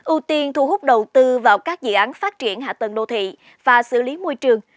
ưu tiên thu hút đầu tư vào các dự án phát triển hạ tầng đô thị và xử lý môi trường